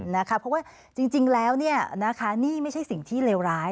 เพราะว่าจริงแล้วนี่ไม่ใช่สิ่งที่เลวร้าย